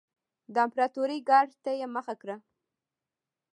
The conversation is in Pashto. د امپراتورۍ ګارډ ته یې مخه کړه